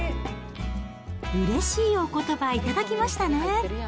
うれしいおことば頂きましたね。